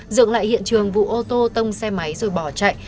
dựng lại hiện trường vụ ô tô tông xe máy rồi bỏ chạy